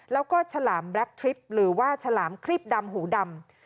แล้วก็ฉลามแล็คทริปหรือว่าฉลามครีบดำหูดำ